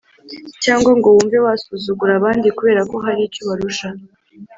cyangwa ngo wumve wasuzugura abandi kubera ko hari icyo ubarusha.”